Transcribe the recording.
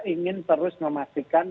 ingin terus memastikan